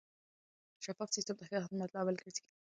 شفاف سیستم د ښه خدمت لامل ګرځي.